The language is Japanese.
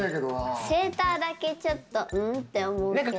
セーターだけちょっと「ん？」って思うけど。